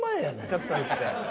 ちょっと振って。